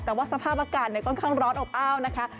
แต่ว่าสภาพอากาศค่อนข้างร้อนอบอ้าวนะคะ